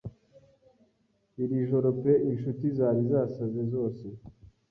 Iri joro pe inshuti zari zasaze zose